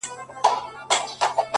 ابن مريمه زما له سيورې مه ځه _